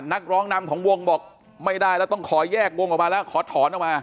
นักร้องนำของวงบอกไม่ได้แล้วต้องขอแยกวงออกมาแล้วขอถอนออกมา